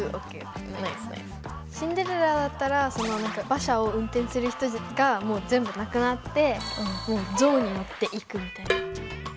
シンデレラだったら馬車をうんてんする人がもうぜんぶなくなってゾウに乗っていくみたいな。